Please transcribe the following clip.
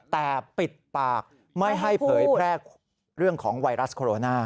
แต่ปิดปากไม่ให้เผยแพร่เรื่องของไวรัสโคโรนา